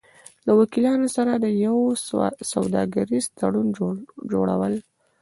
-له وکیلانو سره د یو سوداګریز تړون جوړو ل